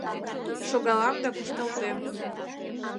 Шогалам да кушталтем.